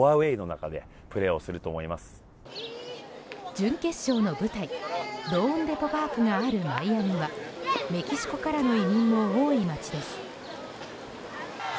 準決勝の舞台ローンデポ・パークがあるマイアミは、メキシコからの移民も多い街です。